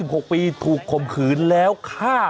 ขอบคุณครับขอบคุณครับ